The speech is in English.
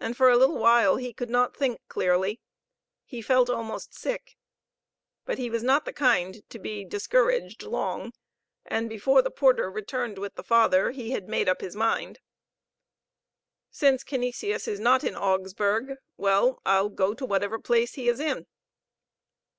And for a little while he could not think clearly. He felt almost sick. But he was not the kind to be discouraged long, and before the porter returned with the Father he had made up his mind. "Since Canisius is not in Augsburg, well, I'll go to whatever place he is in.